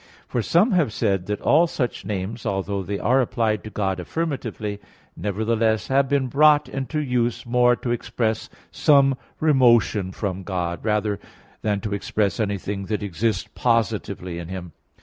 For some have said that all such names, although they are applied to God affirmatively, nevertheless have been brought into use more to express some remotion from God, rather than to express anything that exists positively in Him.